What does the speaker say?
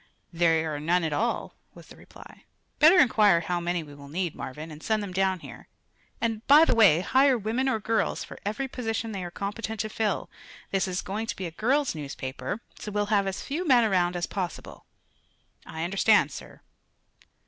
"There are none at all," was the reply. "Better inquire how many we will need, Marvin, and send them down here. And, by the way, hire women or girls for every position they are competent to fill. This is going to be a girls' newspaper, so we'll have as few men around as possible." "I understand, sir."